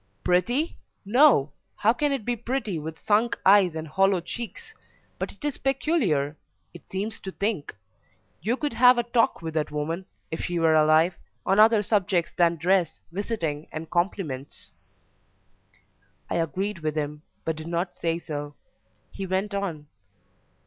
"Pretty! no how can it be pretty, with sunk eyes and hollow cheeks? but it is peculiar; it seems to think. You could have a talk with that woman, if she were alive, on other subjects than dress, visiting, and compliments." I agreed with him, but did not say so. He went on.